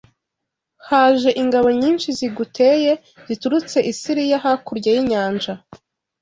Haje ingabo nyinshi ziguteye ziturutse i Siriya hakurya y’inyanja